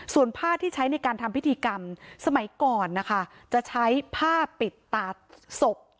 ส่วนผ้าที่ใช้ในการทำพิธีกรรมสมัยก่อนนะคะจะใช้ผ้าปิดตาศพ